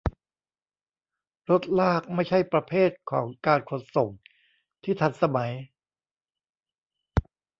รถลากไม่ใช่ประเภทของการขนส่งที่ทันสมัย